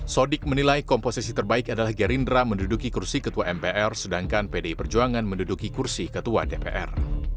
sodik menilai komposisi terbaik adalah gerindra menduduki kursi ketua mpr sedangkan pdi perjuangan menduduki kursi ketua dpr